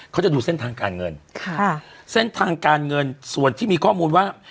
เขาจะดูเส้นทางการเงินค่ะเส้นทางการเงินส่วนที่มีข้อมูลว่า